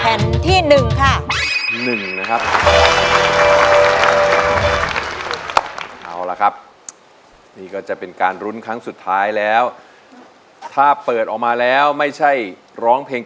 เอาละครับนี่ก็จะเป็นการรุ้นครั้งสุดท้ายแล้วถ้าเปิดออกมาแล้วไม่ใช่ร้องเพงเก่ง